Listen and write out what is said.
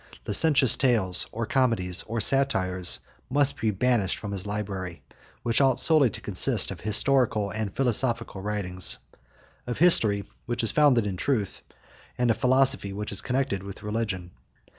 Licentious tales, or comedies, or satires, must be banished from his library, which ought solely to consist of historical or philosophical writings; of history, which is founded in truth, and of philosophy, which is connected with religion.